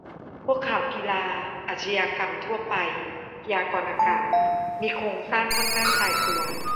พวกข่าวกีฬา อาชญากรรมทั่วไป พยากรณ์อากาศ มีโครงสร้างค่อนข้างตายตัว